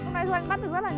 này to nhất luôn